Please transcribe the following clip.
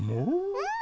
うん。